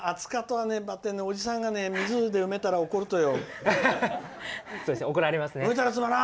熱かとはばってんおじさんが水で埋めたら怒るとよ。